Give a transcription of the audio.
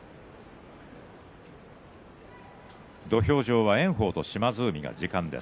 土俵上は炎鵬と島津海時間です。